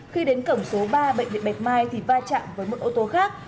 khi đến cổng số ba bệnh viện bạch mai thì va chạm với một ô tô khác